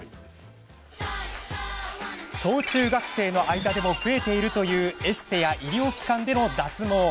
小中学生の間でも増えているというエステや医療機関での脱毛。